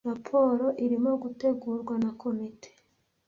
Raporo irimo gutegurwa na komite.